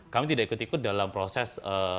kami tidak ikut ikut dalam proses